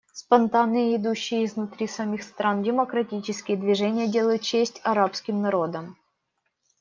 Спонтанные и идущие изнутри самих стран демократические движения делают честь арабским народам.